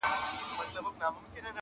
د دریاب پر غاړه لو کښټۍ ولاړه٫